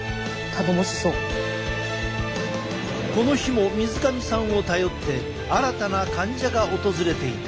この日も水上さんを頼って新たな患者が訪れていた。